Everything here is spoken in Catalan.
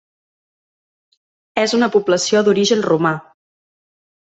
És una població d'origen romà.